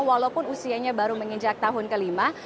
walaupun usianya baru menginjak tahun kelima